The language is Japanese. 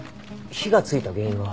火がついた原因は。